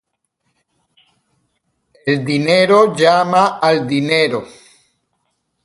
El dinero llama al dinero.